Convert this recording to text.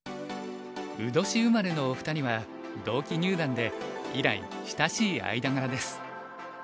卯年生まれのお二人は同期入段で以来親しい間柄です。